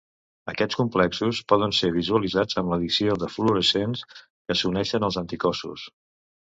Aquests complexos poden ser visualitzats amb l'addició de fluorescents que s'uneixen als anticossos.